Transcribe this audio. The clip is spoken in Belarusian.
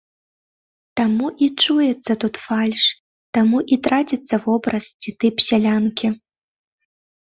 Таму і чуецца тут фальш, таму і траціцца вобраз ці тып сялянкі.